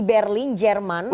di berlin jerman